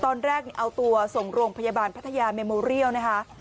ตอนแรกเอาตัวส่งโรงพยาบาลพัทยาเมโมเรียลนะคะ